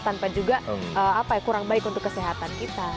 tanpa juga apa ya kurang baik untuk kesehatan kita